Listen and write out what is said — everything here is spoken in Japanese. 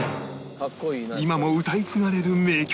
今も歌い継がれる名曲